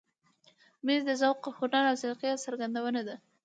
مېز د ذوق، هنر او سلیقې څرګندونه ده.